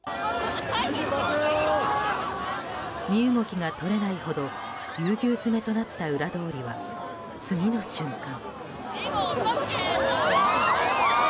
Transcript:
身動きが取れないほどぎゅうぎゅう詰めとなった裏通りは、次の瞬間。